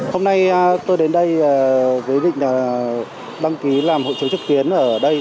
hôm nay tôi đến đây với định đăng ký làm hộ chiếu trực tuyến ở đây